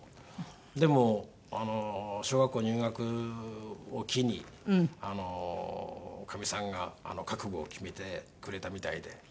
でも小学校入学を機にかみさんが覚悟を決めてくれたみたいで。